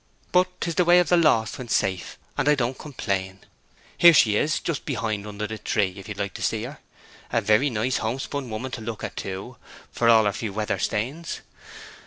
But, 'tis the way of the lost when safe, and I don't complain. Here she is, just behind, under the tree, if you'd like to see her? a very nice homespun woman to look at, too, for all her few weather stains.